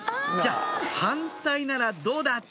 「じゃあ反対ならどうだ！」